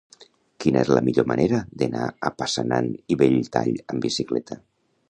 Quina és la millor manera d'anar a Passanant i Belltall amb bicicleta?